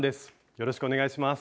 よろしくお願いします。